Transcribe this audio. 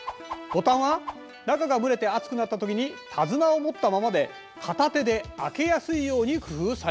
ボタンは中が蒸れて暑くなったときに手綱を持ったままで片手で開けやすいように工夫されている。